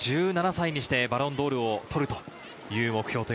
１７歳にしてバロンドールを取るという目標。